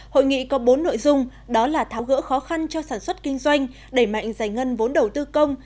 hội nghị có bốn nội dung đó là tháo gỡ khó khăn cho sản xuất kinh doanh đẩy mạnh giải ngân vốn đầu tư công